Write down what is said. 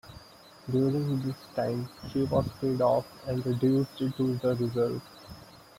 During this time, she was paid off and reduced to the reserve.